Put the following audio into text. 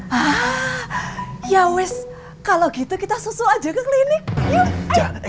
hah ya wes kalau gitu kita susu aja ke klinik yuk